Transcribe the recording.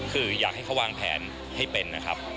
คืออยากให้เขาวางแผนให้เป็นนะครับ